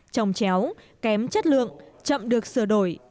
trồng chéo kém chất lượng chậm được sửa đổi